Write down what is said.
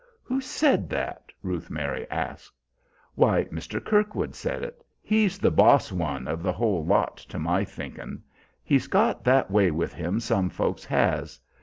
"Who said that?" Ruth Mary asked. "Why, Mr. Kirkwood said it. He's the boss one of the whole lot to my thinkin'. He's got that way with him some folks has!